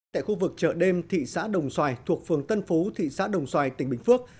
tại khu vực chợ đêm thị xã đồng xoài thuộc phường tân phú thị xã đồng xoài tỉnh bình phước